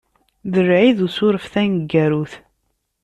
D Lɛid n Usuref taneggarut.